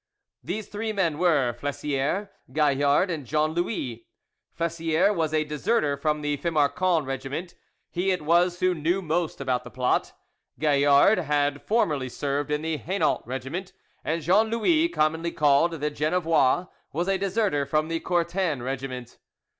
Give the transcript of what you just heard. These three men were Flessiere, Gaillard, and Jean Louis. Flessiere was a deserter from the Fimarcon regiment: he it was who knew most about the plot. Gaillard had formerly served in the Hainault regiment; and Jean Louis, commonly called "the Genevois," was a deserter from the Courten regiment.